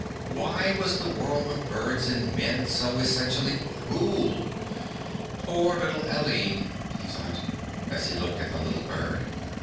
"Why was the world of birds and men so essentially cruel?" "Poor little Aline," he thought, as he looked at the little bird.